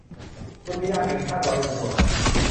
อุทยานแห่งชาติดอยอินทนนท์